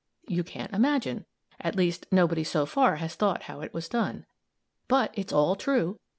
You can't imagine; at least, nobody so far has thought how it was done. But it's all true.